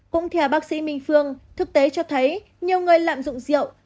cũng theo bác sĩ minh phương thực tế cho thấy nhiều người lạm dụng rượu